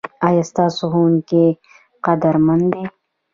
ایا ستاسو ښوونکي قدرمن دي؟